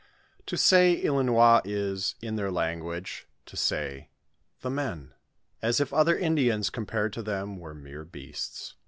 To say Ilinois is. In their language, to say " the men," as if other Indians compared to them were mere beasts.